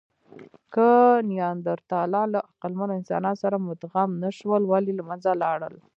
که نیاندرتالان له عقلمنو انسانانو سره مدغم نهشول، ولې له منځه لاړل؟